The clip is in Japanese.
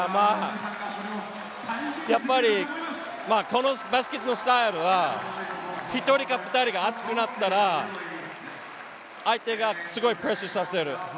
やっぱり、このバスケットのスタイルは１人か２人が熱くなったら相手がすごいプレスさせる。